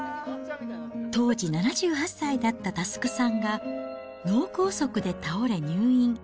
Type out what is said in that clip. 当時７８歳だった祐さんが、脳梗塞で倒れ入院。